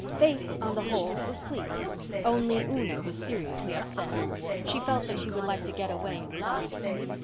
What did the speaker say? Faith, on the whole, was pleased. Only Una was seriously upset. She felt that she would like to get away and cry.